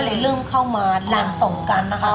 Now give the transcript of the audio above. ก็เลยเริ่มเข้ามาหลังสงกรรมนะคะ